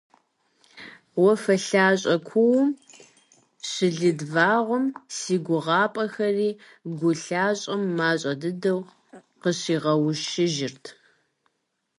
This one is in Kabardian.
Уафэ лъащӀэ куум щылыд вагъуэм си гугъапӀэхэри гу лъащӀэм мащӀэ дыдэу къыщигъэушыжырт.